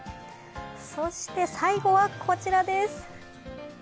そして最後はこちらです。